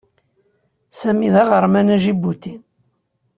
Sami d aɣerman aǧibuti.